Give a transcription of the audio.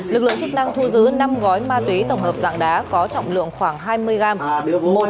lực lượng chức năng thu giữ năm gói ma túy tổng hợp dạng đá có trọng lượng khoảng hai mươi gram